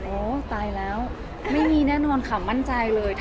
โอ้ตายแล้วไม่มีแน่นอนค่ะมั่นใจเลย